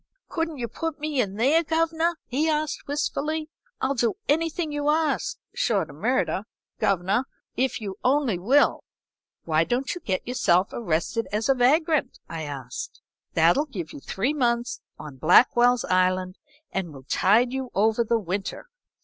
"'Couldn't you put me in there, governor?' he asked, wistfully. 'I'll do anything you ask, short o' murder, governor, if you only will.' "'Why don't you get yourself arrested as a vagrant?' I asked. 'That'll give you three months on Blackwell's Island and will tide you over the winter.'